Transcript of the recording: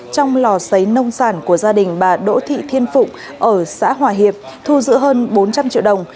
trong lò xấy nông sản của gia đình bà đỗ thị thiên phụng ở xã hòa hiệp thu giữ hơn bốn trăm linh triệu đồng